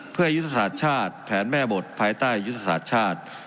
เพื่อยุทธศาสตร์ชาติแผนแม่บทภายใต้ยุทธศาสตร์ชาติ